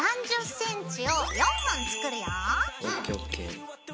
３０ｃｍを４本作るよ。